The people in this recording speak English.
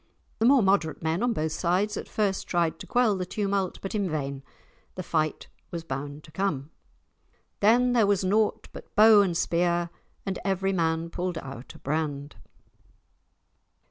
The more moderate men on both sides at first tried to quell the tumult, but in vain. The fight was bound to come. "Then there was naught but bow and spear, And every man pulled out a brand."